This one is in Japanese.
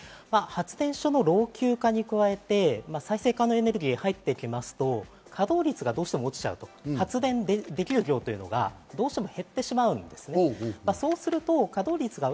発電所の老朽化に加えて、再生可能エネルギーが入ってきますと、稼働率がどうしても落ちちゃうと、発電できる量がどうしても減ってしまうんです。